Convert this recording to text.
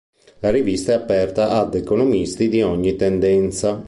La rivista è aperta ad economisti di ogni tendenza.